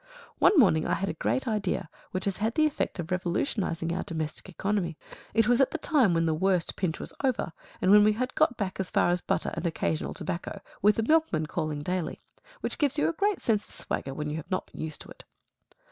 One morning I had a great idea which has had the effect of revolutionising our domestic economy. It was at the time when the worst pinch was over, and when we had got back as far as butter and occasional tobacco, with a milkman calling daily; which gives you a great sense of swagger when you have not been used to it.